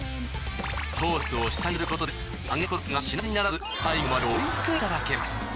ソースを下にすることで揚げたコロッケがしなしなにならず最後まで美味しくいただけます。